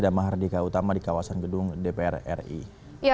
damah hardika utama di kawasan gedung dpr ri